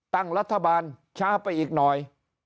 ตั้งรัฐบาลช้าไปอีกหน่อย